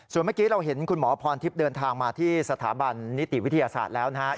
ส่วนเมื่อกี้เราเห็นคุณหมอพรทิพย์เดินทางมาที่สถาบันนิติวิทยาศาสตร์แล้วนะครับ